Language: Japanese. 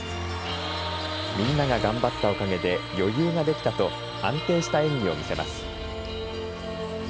みんなが頑張ったおかげで、余裕ができたと、安定した演技を見せます。